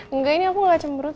enggak ini aku nggak cemberut